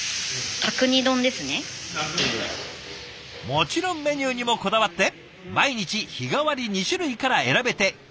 もちろんメニューにもこだわって毎日日替わり２種類から選べて１食３００円。